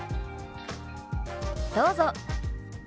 どうぞ。